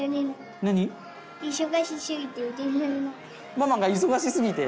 ママが忙しすぎて？